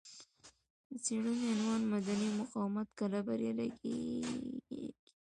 د څېړنې عنوان مدني مقاومت کله بریالی کیږي دی.